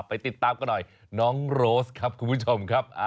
ไปติดตามกันหน่อยน้องโรสครับคุณผู้ชมครับ